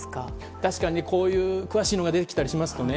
確かにこういう詳しいのが出てきたりしますとね。